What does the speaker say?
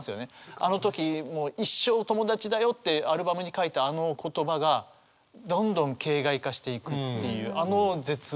あの時もう「一生友達だよ」ってアルバムに書いたあの言葉がどんどん形骸化していくっていうあの絶望。